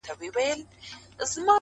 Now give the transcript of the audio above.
علم د پرمختګ محرک دی.!